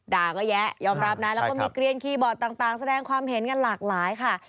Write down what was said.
ก็แยะยอมรับนะแล้วก็มีเกลียนคีย์บอร์ดต่างแสดงความเห็นกันหลากหลายค่ะ